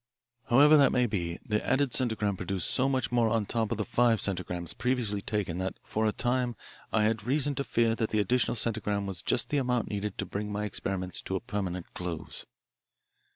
However that may be, the added centigram produced so much more on top of the five centigrams previously taken that for a time I had reason to fear that that additional centigram was just the amount needed to bring my experiments to a permanent close.